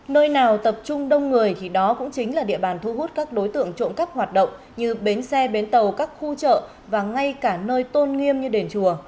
nơi nào tập trung đông người thì đó cũng chính là địa bàn thu hút các đối tượng trộm cắp hoạt động như bến xe bến tàu các khu chợ và ngay cả nơi tôn nghiêm như đền chùa